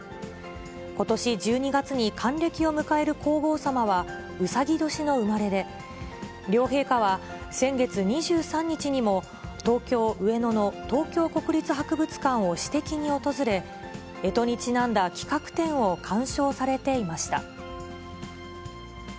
ことし１２月に還暦を迎える皇后さまは、うさぎ年の生まれで、両陛下は先月２３日にも、東京・上野の東京国立博物館を私的に訪れ、えとにちなんだ企画展を鑑賞されていました。